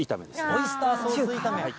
オイスターソース炒め。